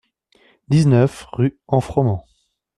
dix-neuf rue En Froment